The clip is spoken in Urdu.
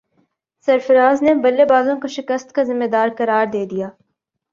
سرفراز نے بلے بازوں کو شکست کا ذمہ دار قرار دے دیا